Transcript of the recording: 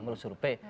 menurut suru p